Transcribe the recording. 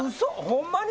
ホンマに？